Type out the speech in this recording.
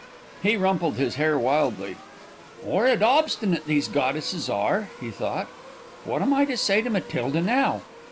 He rumpled his hair wildly, "'Orrid obstinate these goddesses are," he thought. "What am I to say to Matilda now?